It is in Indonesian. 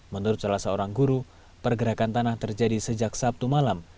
menurut salah seorang guru pergerakan tanah terjadi sejak sabtu malam